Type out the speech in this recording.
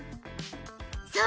そう！